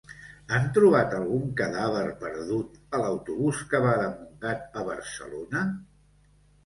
Han trobat algun cadàver perdut a l'autobús que va de Montgat a Barcelona?